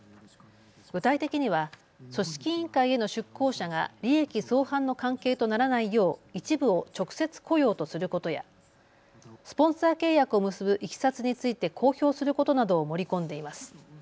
具体的には組織委員会への出向者が利益相反の関係とならないよう一部を直接雇用とすることやスポンサー契約を結ぶいきさつについて公表することなどを盛り込んでいます。